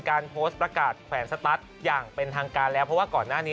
การโพสต์ประกาศแขวนสตัสอย่างเป็นทางการแล้วเพราะว่าก่อนหน้านี้